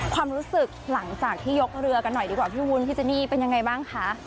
ความรู้สึกหลังจากที่ยกเรือกันหน่อยดีกว่าพี่วุ้นพี่เจนี่เป็นยังไงบ้างคะ